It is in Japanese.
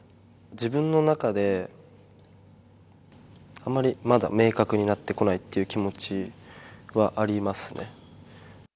自分の中で、あんまりまだ明確になってこないという気持ちはありますね。